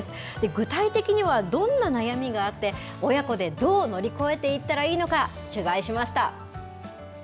具体的にはどんな悩みがあって、親子でどう乗り越えていったらいいのか、取材しました。